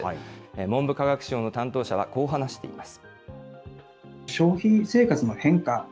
文部科学省の担当者はこう話しています。